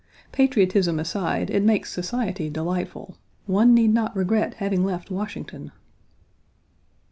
Patriotism aside, it makes society delightful. One need not regret having left Washington.